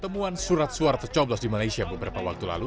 temuan surat suara tercoblos di malaysia beberapa waktu lalu